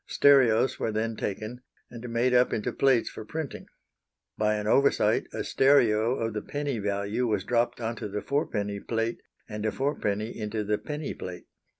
Stereos were then taken, and made up into plates for printing. By an oversight a stereo of the penny value was dropped into the fourpenny plate and a fourpenny into the penny plate.